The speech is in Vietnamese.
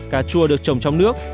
cà chua được trồng trong nước